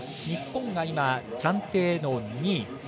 日本が今、暫定の２位。